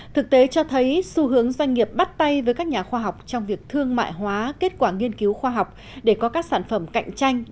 thực tế cho thấy xu hướng doanh nghiệp bắt tay với các nhà khoa học trong việc thương mại hóa kết quả nghiên cứu khoa học để có các sản phẩm cạnh tranh